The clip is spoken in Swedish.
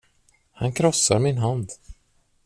Han krossar min hand.